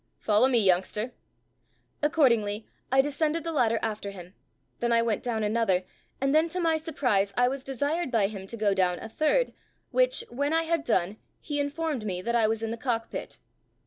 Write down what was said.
Follow me, youngster." Accordingly, I descended the ladder after him; then I went down another, and then to my surprise I was desired by him to go down a third, which, when I had done, he informed me that I was in the cock pit.